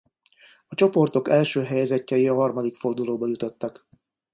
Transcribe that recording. A csoportok első helyezettjei a harmadik fordulóba jutottak.